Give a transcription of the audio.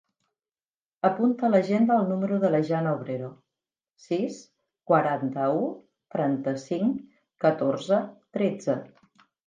Apunta a l'agenda el número de la Jana Obrero: sis, quaranta-u, trenta-cinc, catorze, tretze.